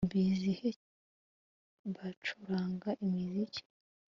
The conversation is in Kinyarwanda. mbizihiye bacuranga imiziki